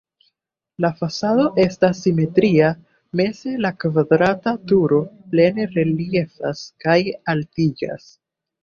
La fasado estas simetria, meze la kvadrata turo plene reliefas kaj altiĝas.